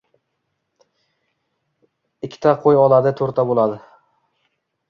Ikkita qo‘y oladi, to‘rtta bo‘ladi.